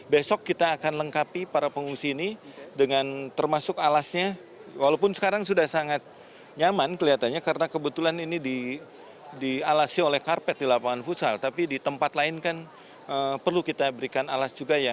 bersama saya ratu nabila